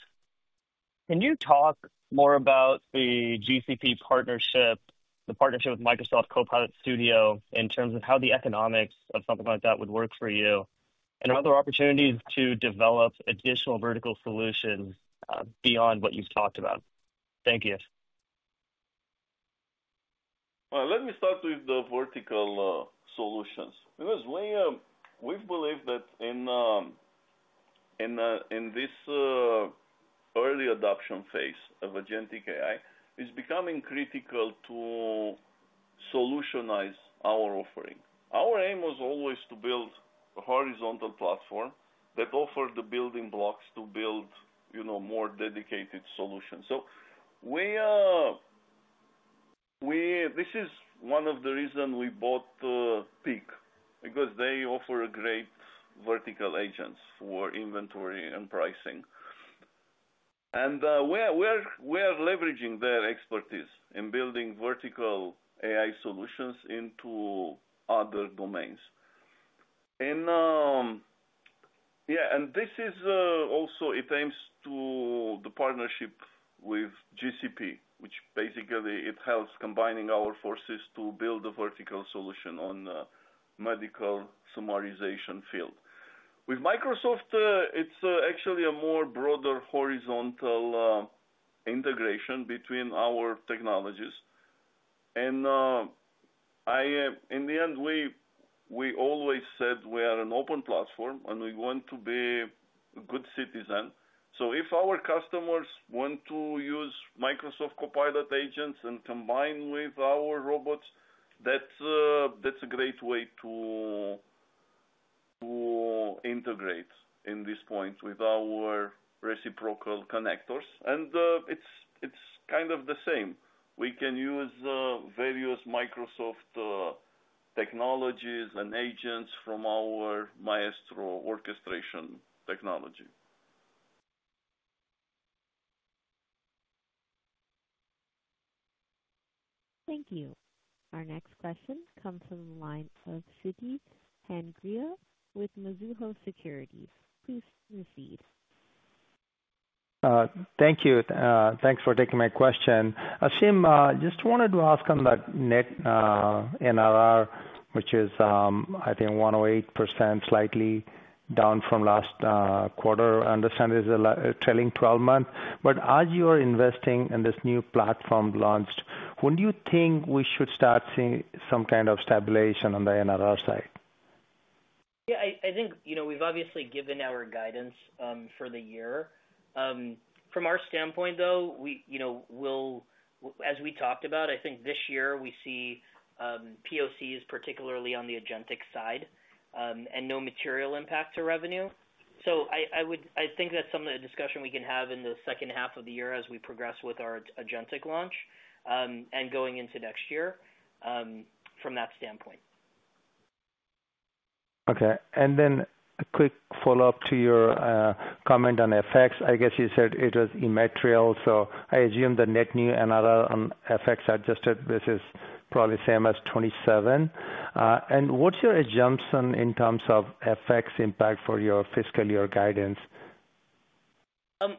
Can you talk more about the GCP partnership, the partnership with Microsoft Copilot Studio in terms of how the economics of something like that would work for you, and other opportunities to develop additional vertical solutions beyond what you've talked about? Thank you. Let me start with the vertical solutions because we believe that in this early adoption phase of agentic AI, it's becoming critical to solutionize our offering. Our aim was always to build a horizontal platform that offered the building blocks to build more dedicated solutions. This is one of the reasons we bought Peak because they offer great vertical agents for inventory and pricing. We are leveraging their expertise in building vertical AI solutions into other domains. This also aims to the partnership with Google Cloud, which basically helps combine our forces to build a vertical solution in the medical summarization field. With Microsoft, it's actually a broader horizontal integration between our technologies. In the end, we always said we are an open platform, and we want to be a good citizen. If our customers want to use Microsoft Copilot agents and combine with our robots, that's a great way to integrate at this point with our reciprocal connectors. It is kind of the same. We can use various Microsoft technologies and agents from our Maestro orchestration technology. Thank you. Our next question comes from the line of Sandeep Mookharjea with Mizuho Securities. Please proceed. Thank you. Thanks for taking my question. Ashim, just wanted to ask on that net NRR, which is, I think, 108%, slightly down from last quarter. I understand it's a trailing 12 months. As you are investing in this new platform launch, when do you think we should start seeing some kind of stabilization on the NRR side? Yeah. I think we've obviously given our guidance for the year. From our standpoint, though, as we talked about, I think this year we see POCs, particularly on the agentic side, and no material impact to revenue. I think that's something a discussion we can have in the second half of the year as we progress with our agentic launch and going into next year from that standpoint. Okay. And then a quick follow-up to your comment on FX. I guess you said it was immaterial. I assume the net new NRR on FX adjusted basis is probably same as 2027. What's your assumption in terms of FX impact for your fiscal year guidance?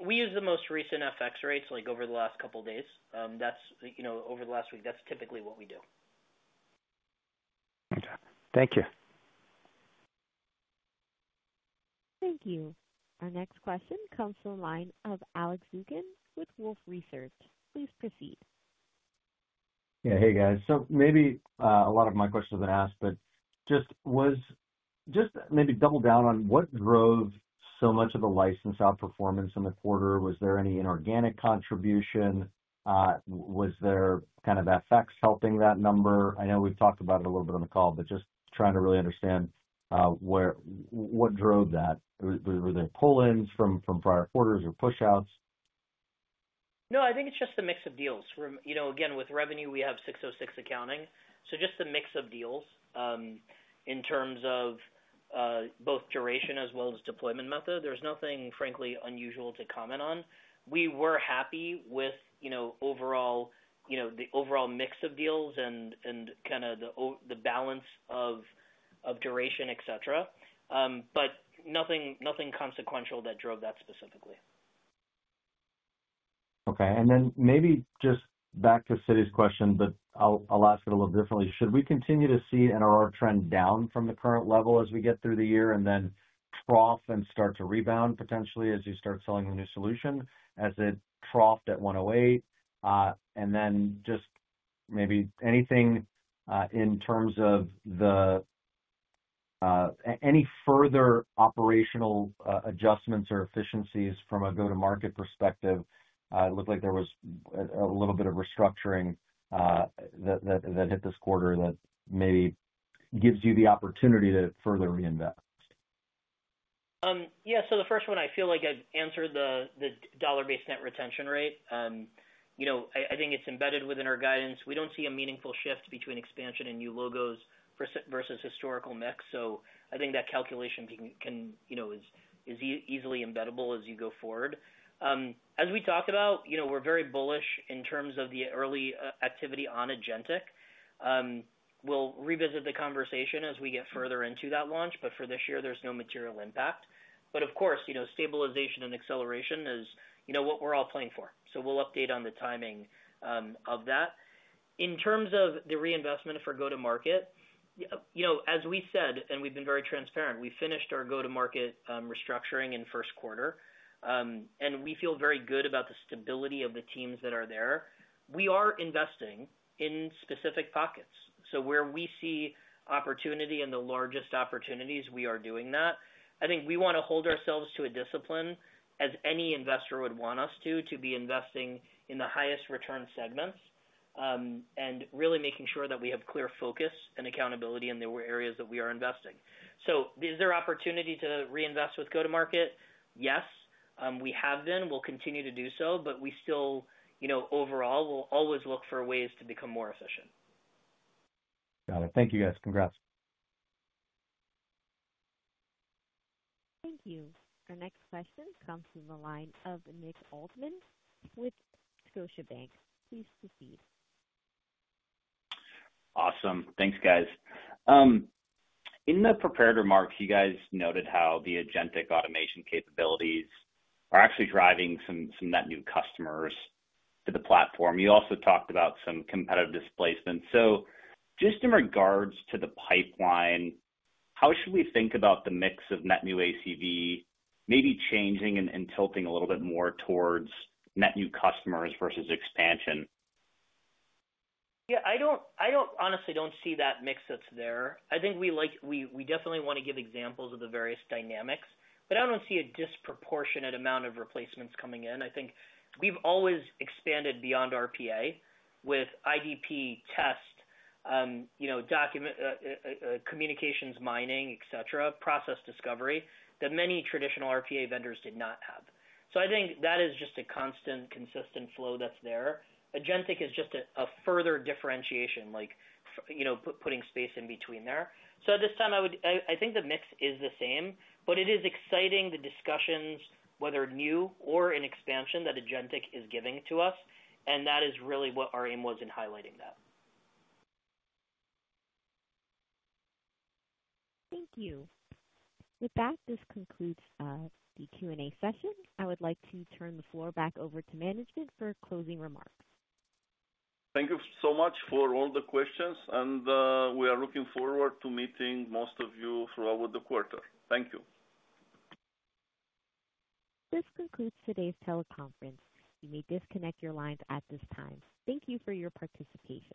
We use the most recent FX rates over the last couple of days. Over the last week, that's typically what we do. Okay. Thank you. Thank you. Our next question comes from the line of Alex Zukin with Wolfe Research. Please proceed. Yeah. Hey, guys. Maybe a lot of my questions have been asked, but just maybe double down on what drove so much of the license outperformance in the quarter? Was there any inorganic contribution? Was there kind of FX helping that number? I know we've talked about it a little bit on the call, but just trying to really understand what drove that. Were there pull-ins from prior quarters or push-outs? No, I think it's just a mix of deals. Again, with revenue, we have 606 accounting. Just a mix of deals in terms of both duration as well as deployment method. There's nothing, frankly, unusual to comment on. We were happy with the overall mix of deals and kind of the balance of duration, etc., but nothing consequential that drove that specifically. Okay. Maybe just back to Sudeep's question, but I'll ask it a little differently. Should we continue to see an NRR trend down from the current level as we get through the year and then trough and start to rebound potentially as you start selling the new solution as it troughed at 108? And then just maybe anything in terms of any further operational adjustments or efficiencies from a go-to-market perspective? It looked like there was a little bit of restructuring that hit this quarter that maybe gives you the opportunity to further reinvest. Yeah. The first one, I feel like I've answered the dollar-based net retention rate. I think it's embedded within our guidance. We do not see a meaningful shift between expansion and new logos versus historical mix. I think that calculation is easily embeddable as you go forward. As we talked about, we are very bullish in terms of the early activity on agentic. We'll revisit the conversation as we get further into that launch, but for this year, there's no material impact. Of course, stabilization and acceleration is what we're all playing for. We'll update on the timing of that. In terms of the reinvestment for go-to-market, as we said, and we've been very transparent, we finished our go-to-market restructuring in first quarter, and we feel very good about the stability of the teams that are there. We are investing in specific pockets. Where we see opportunity and the largest opportunities, we are doing that. I think we want to hold ourselves to a discipline as any investor would want us to, to be investing in the highest return segments and really making sure that we have clear focus and accountability in the areas that we are investing. Is there opportunity to reinvest with go-to-market? Yes. We have been. We'll continue to do so, but we still overall will always look for ways to become more efficient. Got it. Thank you, guys. Congrats. Thank you. Our next question comes from the line of Nick Altmann with Scotiabank. Please proceed. Awesome. Thanks, guys. In the prepared remarks, you guys noted how the agentic automation capabilities are actually driving some net new customers to the platform. You also talked about some competitive displacement. Just in regards to the pipeline, how should we think about the mix of net new ACV maybe changing and tilting a little bit more towards net new customers versus expansion? Yeah. I honestly do not see that mix that's there. I think we definitely want to give examples of the various dynamics, but I do not see a disproportionate amount of replacements coming in. I think we've always expanded beyond RPA with IDP, test, Communications Mining, etc., Process Mining that many traditional RPA vendors did not have. I think that is just a constant, consistent flow that's there. Agentic is just a further differentiation, like putting space in between there. At this time, I think the mix is the same, but it is exciting the discussions, whether new or in expansion, that agentic is giving to us. That is really what our aim was in highlighting that. Thank you. With that, this concludes the Q&A session. I would like to turn the floor back over to management for closing remarks. Thank you so much for all the questions, and we are looking forward to meeting most of you throughout the quarter. Thank you. This concludes today's teleconference. You may disconnect your lines at this time. Thank you for your participation.